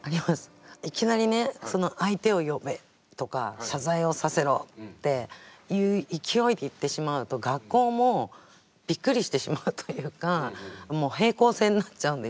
いきなりねその相手を呼べとか謝罪をさせろっていう勢いで行ってしまうと学校もびっくりしてしまうというかもう平行線になっちゃうんですよ。